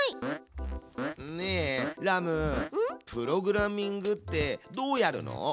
ねえラムプログラミングってどうやるの？